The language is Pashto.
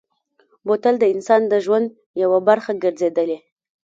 بوتل د انسان د ژوند یوه برخه ګرځېدلې.